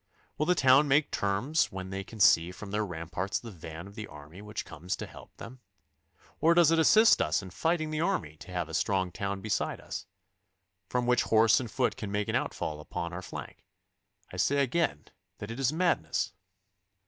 Will the town make terms when they can see from their ramparts the van of the army which comes to help them? Or does it assist us in fighting the army to have a strong town beside us, from which horse and foot can make an outfall upon our flank? I say again that it is madness.